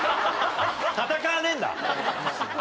戦わねえんだ！